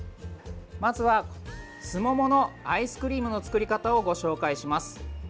まずは、すもものアイスクリームの作り方をご紹介します。